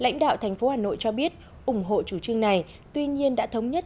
lãnh đạo thành phố hà nội cho biết ủng hộ chủ trương này tuy nhiên đã thống nhất